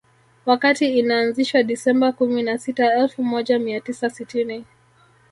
Wakati inaanzishwa Disemba kumi na sita elfu moja mia tisa sitini